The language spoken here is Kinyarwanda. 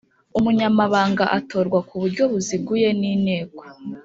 Umunyamabanga atorwa ku buryo buziguye n inteko